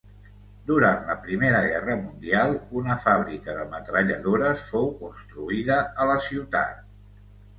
Durant la Primera Guerra Mundial, una fàbrica de metralladores fou construïda a la ciutat.